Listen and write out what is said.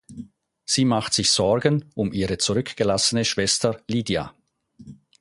Sie macht sich Sorgen um ihre zurückgelassene Schwester Lidia.